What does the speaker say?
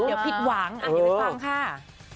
เดี๋ยวผิดหวังอย่าไปฟังค่ะ